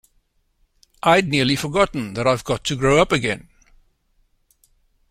I’d nearly forgotten that I’ve got to grow up again!